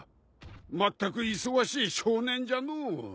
まったく忙しい少年じゃのう。